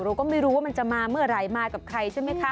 เราก็ไม่รู้ว่ามันจะมาเมื่อไหร่มากับใครใช่ไหมคะ